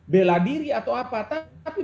bela diri atau apa tapi